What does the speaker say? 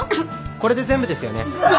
これで全部ですよね。